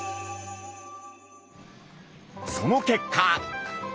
その結果！